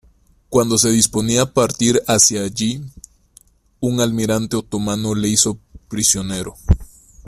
Cuando se disponía a partir hacia allí, un almirante otomano le hizo prisionero.